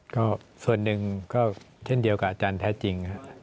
ก็ส่วนหนึ่งก็เช่นเดียวกับอาจารย์แท้จริงครับ